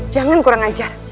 jangan kurang ajar